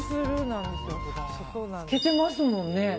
透けてますもんね。